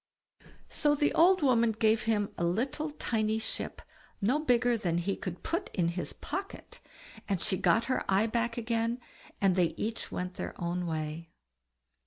So the old woman gave him a little tiny ship, no bigger than he could put in his pocket, and she got her eye back again, and they each went their way.